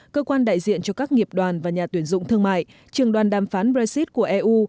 cơ quan đại diện cho các nghiệp đoàn và nhà tuyển dụng thương mại trường đoàn đàm phán brexit của eu